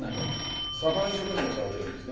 左官職人をされてるんですね？